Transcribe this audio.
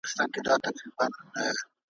کله کله به لا سر سو په رمباړو `